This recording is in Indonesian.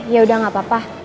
yaudah gak apa apa